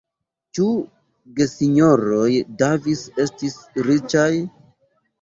Ĉu gesinjoroj Davis estis riĉaj?